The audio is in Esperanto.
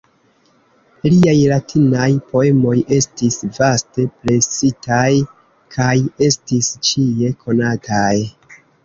Liaj latinaj poemoj estis vaste presitaj kaj estis ĉie konataj.